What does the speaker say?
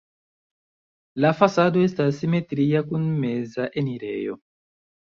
La fasado estas simetria kun meza enirejo.